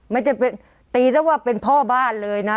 ไม่ใช่เป็นตีตั้งแต่ว่าเป็นพ่อบ้านเลยนะ